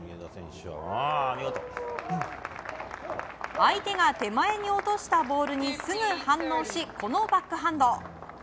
相手が手前に落としたボールにすぐ反応し、このバックハンド！